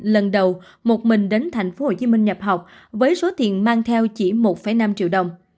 lần đầu một mình đến tp hcm nhập học với số tiền mang theo chỉ một năm triệu đồng